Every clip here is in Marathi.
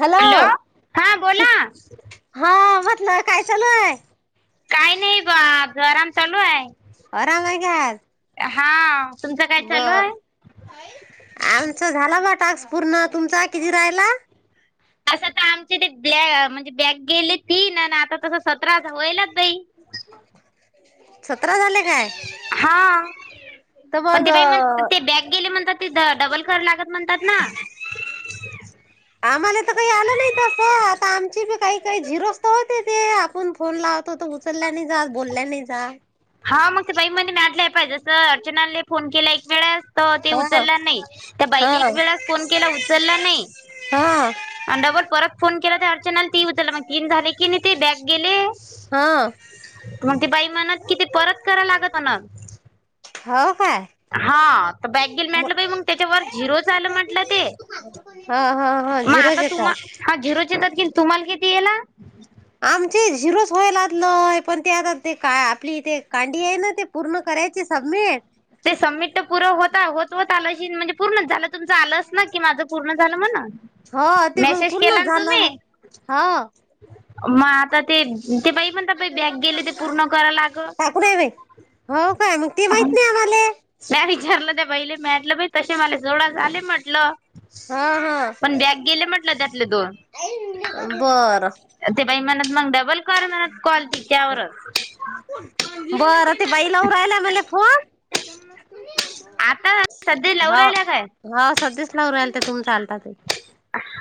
हॅलो हा बोला हा म्हटलं काय? चालू आहे काही नाही बा अज आराम चालू आहेय आराम आहे आहे काय आज हा तुमचं काय? चालू आहे. आमचं झाला बा टास्क पूर्ण तुमचा किती? राहाला असं तर आमचे ते ब्ल्ये म्हणजे बॅग गेले तीन आता. तसं सतरा व्हायलाच बाई. सतरा झाले काय? हा तर पण मग ते बाई म्हण ते बॅग गेले म्हणत ते डबल कराय लागत. म्हणतात ना. आम्हाला तर काही आलं नाही तसं आता आमची बी काही काही झिरोस तर होते ते आपण फोन लावतो त उचलल्याने जा बोलल्याने जा हा मग ते बाई म्हमटलंय पाहिजे असं अर्चनाने फोन केला एक वेळेस तर ते हा उचलला नाही त्या बाईले एक हा वेळास फोन केला उचलला नाही. हा आणि डबल परत फोन केला तर अर्चना. ती उचली मग तीन झाले की नाही ते बॅग गेले हा मग ते बाई म्हणत कि ते परत कराव लागत हो ना. हो काय? हा तर बॅक गेल ह म्हटलं बा मग त्याच्यावरर झिरो झाचालं म्हंटलं ते ह ह मग झिरोच आता तुम्हा येतात हा झिरोचेेतात कि तुम्हाला किती? येणार आमचे झिरोच व्हालालंय पण ते आता ते का आपली ते कांडी आहे ना ते पूर्ण करायची सबमिट ते समिट पूर होता होत होत आलं म्हणजे पूर्ण झालं तुमचं आलंच ना की माझं पूर्ण झालं म्हणून हो ते मग मेसेज पूर्ण केला ना झालं तुम्ही हा. मग आता ते ते बाई म्हणतात बाई बॅग गेले ते पूर्ण कराय लागत. टाकू नाही बाई हो काय मग ते माहित नाही आम्हाले म्या विचारलं त्या बाईले मिटलं बाई तसे मला जवळ झाले म्हटलं हा पण बॅग गेले म्हटलं त्यातले दोन बरं ते बाई म्हणत मग डबल कर म्हणत कॅल तिच्यावरच. बर ती बाईलावु राहिला मला फोन आता सध्या लावू हा राहिल्या काय हा सधच लाव राल ते तुमचा अलताते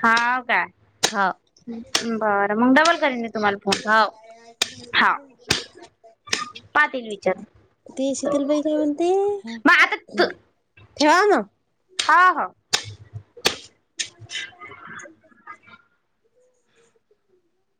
हो का? हो बरं मग डबल करीन मी तुम्हाला फोन हो हा. पाहतील विचारून ती शीतलबाई काय? म्हणती मग आता तू ठेवा ना हा हा मला